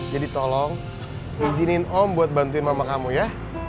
jadi tolong izinin om buat bantuin mama kamu ya